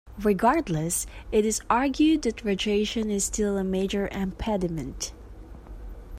Regardless, it is argued that radiation is still a major impediment.